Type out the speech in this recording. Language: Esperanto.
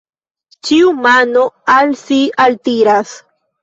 Ĉiu mano al si altiras.